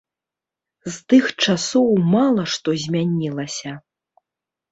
З тых часоў мала што змянілася.